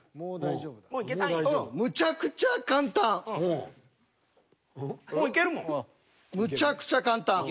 うんむちゃくちゃ簡単。